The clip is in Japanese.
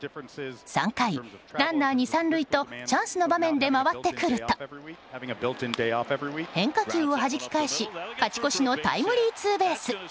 ３回、ランナー２、３塁とチャンスの場面で回ってくると変化球をはじき返し勝ち越しのタイムリーツーベース。